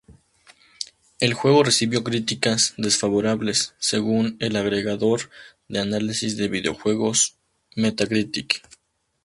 El juego recibió críticas "desfavorables" según el agregador de análisis de videojuegos Metacritic.